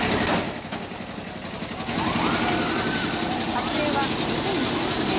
撮影は２０１９年。